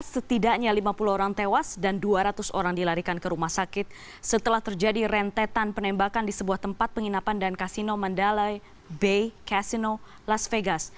setidaknya lima puluh orang tewas dan dua ratus orang dilarikan ke rumah sakit setelah terjadi rentetan penembakan di sebuah tempat penginapan dan kasino mandalai bay casino las vegas